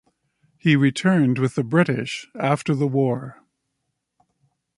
He returned with the British after the war.